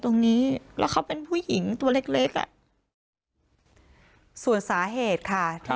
ตรงนี้แล้วเขาเป็นผู้หญิงตัวเล็กเล็กอ่ะส่วนสาเหตุค่ะที่